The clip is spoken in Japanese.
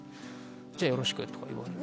「じゃあよろしく」とか言われて。